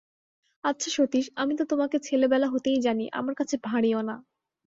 আচ্ছা সতীশ, আমি তো তোমাকে ছেলেবেলা হতেই জানি, আমার কাছে ভাঁড়িয়ো না।